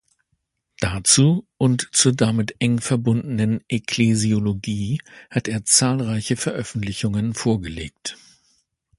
Dazu und zur damit eng verbundenen Ekklesiologie hat er zahlreiche Veröffentlichungen vorgelegt.